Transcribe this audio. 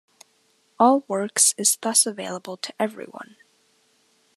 All works is thus available to everyone.